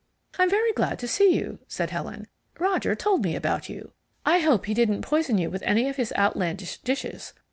"I'm very glad to see you," said Helen. "Roger told me about you. I hope he didn't poison you with any of his outlandish dishes.